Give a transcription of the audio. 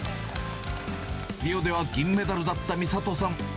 リオでは銀メダルだった美里さん。